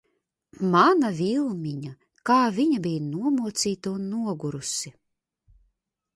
Mana Vilmiņa, kā viņa bija nomocīta un nogurusi.